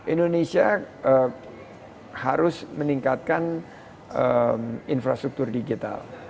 indonesia harus meningkatkan infrastruktur digital